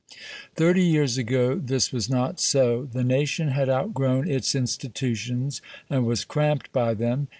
Thirty years ago this was not so. The nation had outgrown its institutions, and was cramped by them.